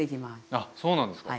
あっそうなんですか。